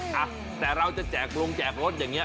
อ่ะแต่เราจะแจกลงแจกรถอย่างนี้